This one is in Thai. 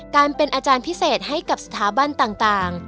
การเป็นอาจารย์พิเศษให้กับสถาบันต่าง